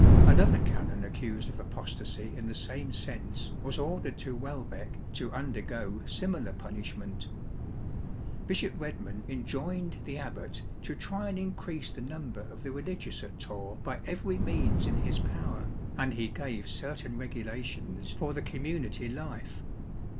Another canon accused of apostasy in the same sense was ordered to Welbeck to undergo similar punish ment. Bishop Redman enjoined the abbot to try and in crease the number of the religious at Torre by every means in his power, and he gave certain regulations for the community life.